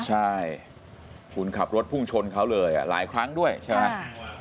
ใช่คุณขับรถพุ่งชนเขาเลยหลายครั้งด้วยใช่ไหม